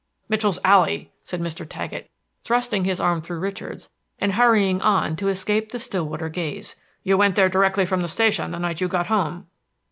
"Mitchell's Alley," said Mr. Taggett, thrusting his arm through Richard's, and hurrying on the escape the Stillwater gaze. "You went there directly from the station the night you got home."